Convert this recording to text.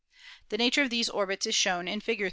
The nature of these orbits is shown in Fig.